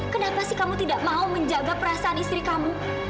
kenapa sih kamu tidak mau menjaga perasaan istri kamu